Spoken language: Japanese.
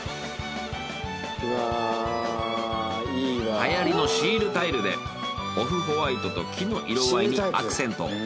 流行りのシールタイルでオフホワイトと木の色合いにアクセントを。